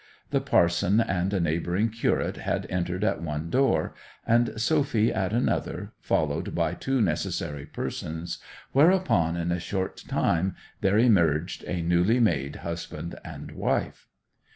The parson and a neighbouring curate had entered at one door, and Sophy at another, followed by two necessary persons, whereupon in a short time there emerged a newly made husband and wife.